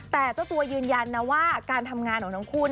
แต่เจ้าตัวยืนยันนะว่าการทำงานของทั้งคู่